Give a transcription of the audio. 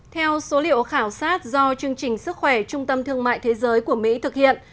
theo số liệu khảo sát do chương trình sức khỏe trung tâm thương mại thế giới của mỹ thực hiện